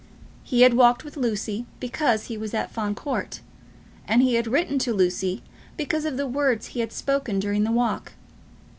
He had walked with Lucy because he was at Fawn Court. And he had written to Lucy because of the words he had spoken during the walk.